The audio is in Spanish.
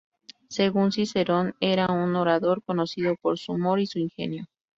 Según Cicerón era un orador conocido por su humor y su ingenio.